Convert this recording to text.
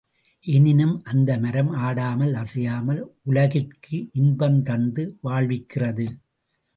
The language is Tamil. எனினும் அந்த மரம் ஆடாமல் அசையாமல் உலகிற்கு இன்பந்தந்து வாழ்விக்கிறது.